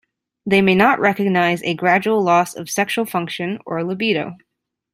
They may not recognize a gradual loss of sexual function or libido.